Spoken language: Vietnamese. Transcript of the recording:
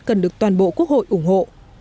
cần được toàn bộ quốc hội ủng hộ